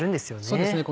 そうですね